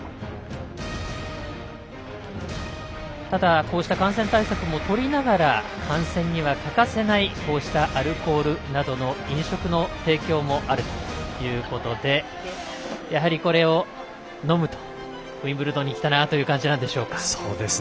ただ、こうした感染対策もとりながら観戦には欠かせないアルコールなどの飲食の提供もあるということでやはりこれを飲むとウィンブルドンに来たなという感じなんでしょうか。